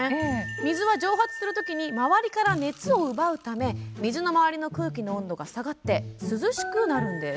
水は蒸発するときに周りから熱を奪うため水の周りの空気の温度が下がって涼しくなるのです。